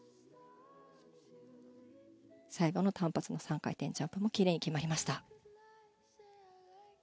最後の単発の３回転ジャンプも奇麗に決まりました。